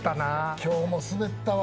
今日もスベったわ。